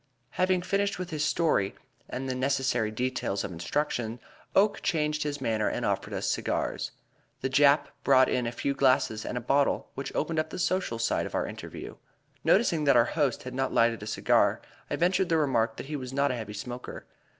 Having finished with his story and the necessary details of instruction, Oakes changed his manner and offered us cigars. The Jap brought in a few glasses and a bottle, which opened up the social side of our interview. Noticing that our host had not lighted a cigar, I ventured the remark that he was not a heavy smoker.